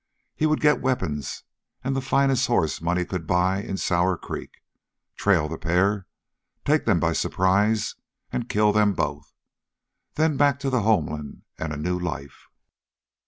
He would get weapons and the finest horse money could buy in Sour Creek, trail the pair, take them by surprise, and kill them both. Then back to the homeland and a new life!